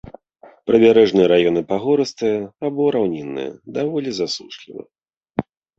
Прыбярэжныя раёны пагорыстыя або раўнінныя, даволі засушлівыя.